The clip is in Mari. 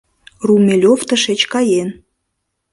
Румелёв тышеч каен.